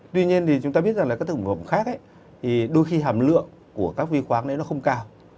tuy nhiên thì chúng ta biết rằng là các thực phẩm khác thì đôi khi hàm lượng của các vi khoáng đấy nó không cao